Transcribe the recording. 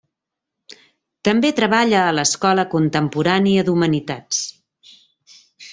També treballa a l'Escola Contemporània d'Humanitats.